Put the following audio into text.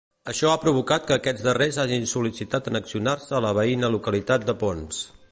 Això ha provocat que aquests darrers hagin sol·licitat annexionar-se a la veïna localitat de Ponts.